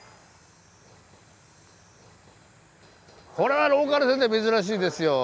これはローカル線では珍しいですよ！